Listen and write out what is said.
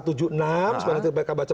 sebentar nanti pkp baca